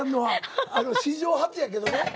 史上初やけどね。